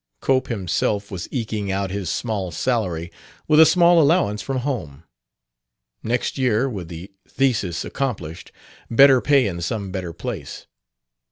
Cope himself was eking out his small salary with a small allowance from home; next year, with the thesis accomplished, better pay in some better place.